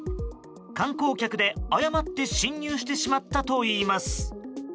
観光客で誤って進入してしまったといいます。